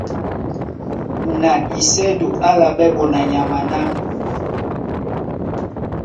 Na isɛ́du á álaɓɛ́ ɓonanyama ná: